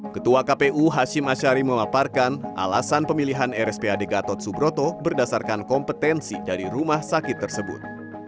ketua kpu hashim ashari memaparkan alasan pemilihan rspad gatot subroto berdasarkan kompetensi dari rumah sakit tersebut